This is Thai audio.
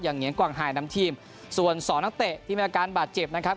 เหงียงกวางหายนำทีมส่วนสองนักเตะที่มีอาการบาดเจ็บนะครับ